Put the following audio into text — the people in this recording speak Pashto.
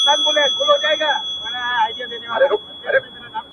زما يتيـمي ارواح تـه غـــــوښـتې خـو؛